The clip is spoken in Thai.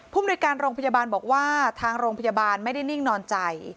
มนุยการโรงพยาบาลบอกว่าทางโรงพยาบาลไม่ได้นิ่งนอนใจ